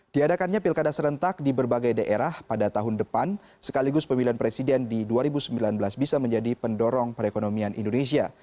diadakannya pilkada serentak di berbagai daerah pada tahun depan sekaligus pemilihan presiden di dua ribu sembilan belas bisa menjadi pendorong perekonomian indonesia